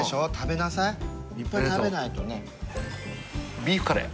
ビーフカレー。